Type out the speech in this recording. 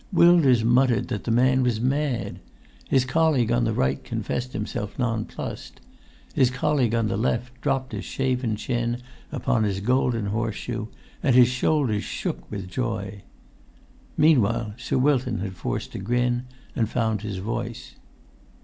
Wilders muttered that the man was mad; his colleague on the right confessed himself nonplussed; his colleague on the left dropped his shaven chin upon his gold horseshoe, and his shoulders shook with joy. Meanwhile Sir Wilton had forced a grin and found his voice.